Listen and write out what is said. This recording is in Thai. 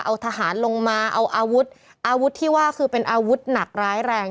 เอาทหารลงมาเอาอาวุธอาวุธที่ว่าคือเป็นอาวุธหนักร้ายแรง